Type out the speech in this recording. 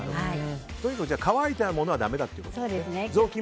とにかく乾いたものはだめだということですね。